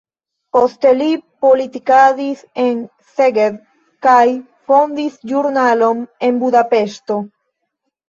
Poste li politikadis en Szeged kaj fondis ĵurnalon en Budapeŝto.